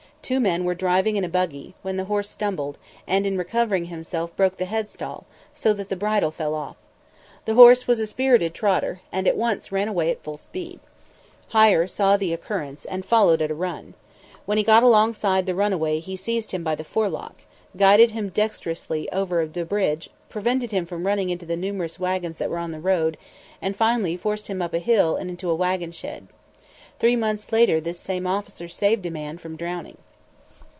Two men were driving in a buggy, when the horse stumbled, and in recovering himself broke the head stall, so that the bridle fell off. The horse was a spirited trotter, and at once ran away at full speed. Heyer saw the occurrence, and followed at a run. When he got alongside the runaway he seized him by the forelock, guided him dexterously over the bridge, preventing him from running into the numerous wagons that were on the road, and finally forced him up a hill and into a wagon shed. Three months later this same officer saved a man from drowning.